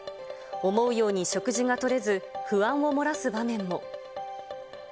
思うように食事がとれず、不安を漏らす場面も。